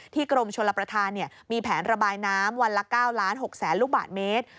กรมชลประธานมีแผนระบายน้ำวันละ๙๖๐๐๐ลูกบาทเมตร